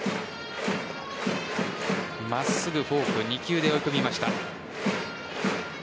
真っすぐ、フォーク２球で追い込みました。